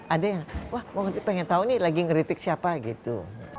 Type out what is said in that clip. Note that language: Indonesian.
ada yang wah pengen tahu nih lagi ngeritik siapa gitu